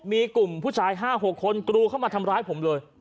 มีกลุ่มผู้ชาย๕๖คนกรูเข้ามาทำร้ายผมเลย